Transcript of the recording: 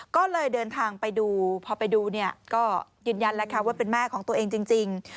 ก็เลยเดินทางไปดูพอไปดูเนี่ยก็ยืนยันแล้วค่ะว่าเป็นแม่ของตัวเองจริง